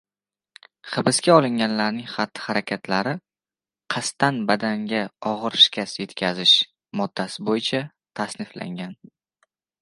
Hibsga olinganlarning xatti-harakatlari "qasddan badanga og‘ir shikast yetkazish" moddasi bo‘yicha tasniflangan.